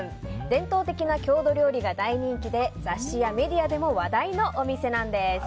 伝統的な郷土料理が大人気で雑誌やメディアでも話題のお店なんです。